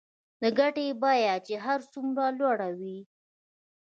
د ګټې بیه چې هر څومره لوړه وي